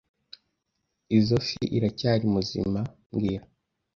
Izoi fi iracyari muzima mbwira